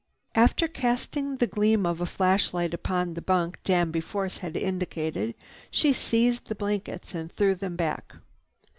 After casting the gleam of a flashlight upon the bunk Danby Force had indicated, she seized the blankets and threw them back.